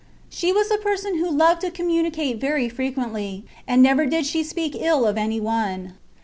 She was a person who loved to communicate very frequently, and never did she speak ill of any one.